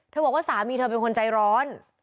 บอกว่าสามีเธอเป็นคนใจร้อน